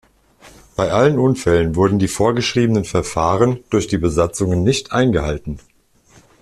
Bei allen Unfällen wurden die vorgeschriebenen Verfahren durch die Besatzungen nicht eingehalten.